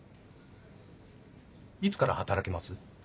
いつから働けます？